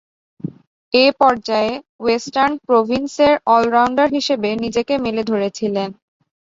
এ পর্যায়ে ওয়েস্টার্ন প্রভিন্সের অল-রাউন্ডার হিসেবে নিজেকে মেলে ধরেছিলেন।